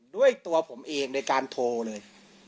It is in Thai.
ด้วยตัวผมเองในการโทรเลย